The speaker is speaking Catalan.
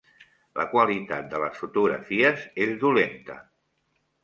La qualitat de les fotografies és dolenta.